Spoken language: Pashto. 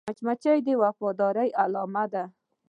مچمچۍ د وفادارۍ علامه ده